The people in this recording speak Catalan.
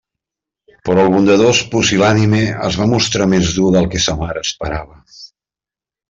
Però el bondadós pusil·lànime es va mostrar més dur del que sa mare esperava.